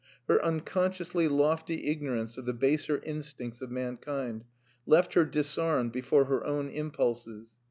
Her unconsciously lofty ignorance of the baser instincts of mankind left her disarmed before her own impulses.